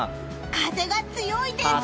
風が強いです！